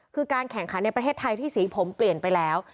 คือการแข่งขันในประเทศไทยที่สีผมเปลี่ยนไปแล้ว